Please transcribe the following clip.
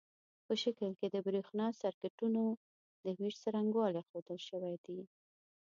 په شکل کې د برېښنا سرکټونو د وېش څرنګوالي ښودل شوي دي.